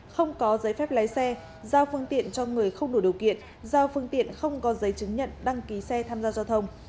không có giấy phép lái xe giao phương tiện cho người không đủ điều kiện giao phương tiện không có giấy chứng nhận đăng ký xe tham gia giao thông